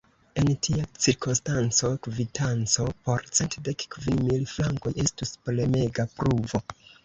En tia cirkonstanco, kvitanco por cent dek kvin mil frankoj estus premega pruvo.